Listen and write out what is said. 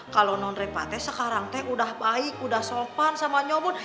kalau non repates sekarang teh udah baik udah sopan sama nyomut